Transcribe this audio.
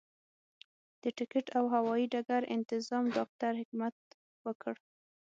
د ټکټ او هوايي ډګر انتظام ډاکټر حکمت وکړ.